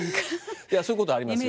そういうことありますよ。